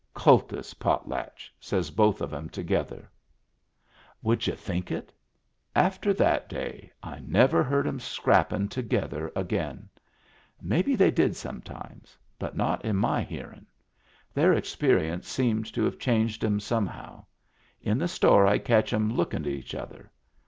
" Kultus potlatch! " says both of 'em together. Would y'u think it ?— after that day I never heard 'em scrappin' together again. Maybe they did sometimes, but not in my hearin'. Their experience seemed to have changed 'em some how. In the store I'd catch 'em lookin' at each other.